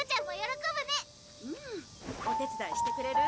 お手伝いしてくれる？